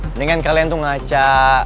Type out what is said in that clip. mendingan kalian tuh ngaca